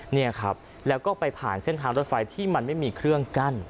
เนี่ยครับแล้วก็ไปผ่านเส้นทางรถไฟที่มันไม่มีเครื่องกั้น